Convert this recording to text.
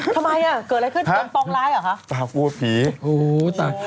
ทำไมอ่ะเกิดอะไรขึ้นเต็มป้องร้ายหรอฮะ